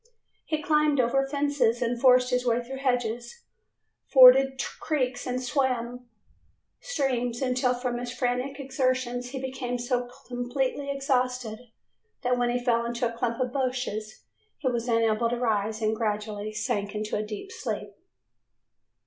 He climbed over fences and forced his way through hedges; forded creeks and swam streams, until from his frantic exertions he became so completely exhausted that when he fell into a clump of bushes he was unable to rise, and gradually sank into a deep sleep.